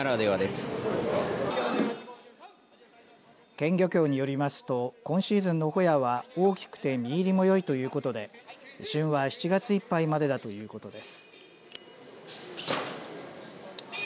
県漁協によりますと今シーズンのほやは大きくて身入りもよいということで旬は７月いっぱいまでだということです。